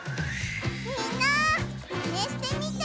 みんなマネしてみてね！